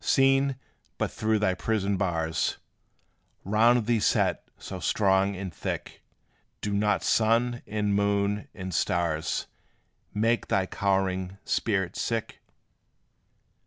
Seen but through thy prison bars, Round thee set so strong and thick, Do not sun, and moon, and stars Make thy cowering spirit sick?